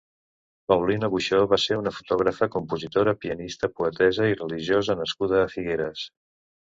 Paulina Buxó va ser una fotògrafa, compositora, pianista, poetessa i religiosa nascuda a Figueres.